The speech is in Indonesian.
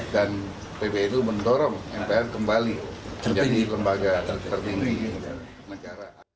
dan pbnu mendorong mpr kembali menjadi lembaga tertinggi negara